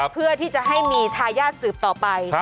เพื่อที่จะให้มีทายาทสืบต่อไป